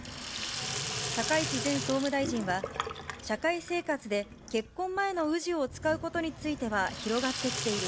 高市前総務大臣は、社会生活で結婚前の氏を使うことについては、広がってきている。